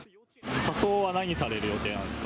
仮装は何される予定なんです